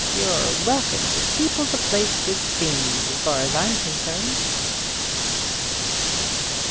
You're welcome to people the place with fiends, as far as I'm concerned."